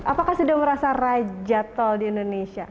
apakah sudah merasa raja tol di indonesia